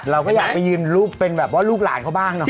เราก็อยากไปยืมรูปเป็นแบบว่าลูกหลานเขาบ้างเนาะ